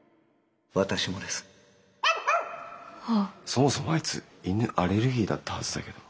そもそもあいつ犬アレルギーだったはずだけど。